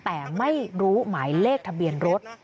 แต่ไม่รู้หมายเลขทะเบียนรถ